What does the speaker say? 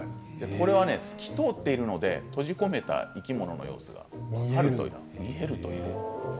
これは透き通っているので閉じ込めた生き物の様子が見えるということなんです。